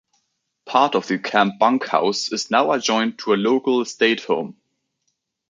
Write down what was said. Part of the camp bunkhouse is now adjoined to a local estate home.